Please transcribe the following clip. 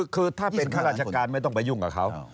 คือถ้าเป็นข้าราชการไม่ต้องไปยุ่งกับเขา